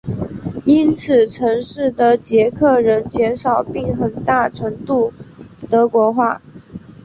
因此城市的捷克人减少并很大程度德国化。